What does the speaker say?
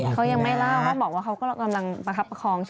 เขายังไม่เล่าโปร่งบอกว่าเขากำลังประคับคลอง